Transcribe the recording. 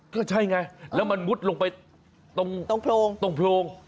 ก็ใช่ไงแล้วมันมุดลงไปตรงตรงโพรงตรงโพรง